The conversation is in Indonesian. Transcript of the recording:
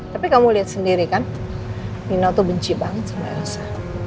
tapi kamu lihat sendiri kan mino tuh benci banget sama elsa